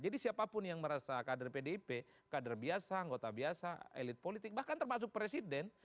jadi siapapun yang merasa kader pdip kader biasa anggota biasa elit politik bahkan termasuk presiden